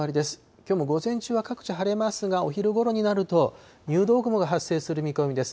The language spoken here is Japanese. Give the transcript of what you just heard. きょうも午前中は各地晴れますが、お昼ごろになると、入道雲が発生する見込みです。